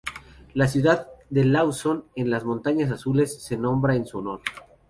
La ciudad de Lawson en las Montañas Azules se nombra en su honor.